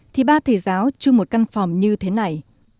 thì ba thầy giáo chu một căn phòng như thế này